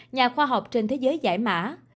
nhà khoa học trên thế giới giải mã